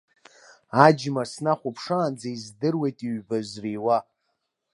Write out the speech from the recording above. Аџьма снахәаԥшаанӡа издыруеит ҩба зриуа.